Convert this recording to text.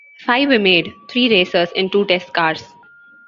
Five were made, three racers and two test cars.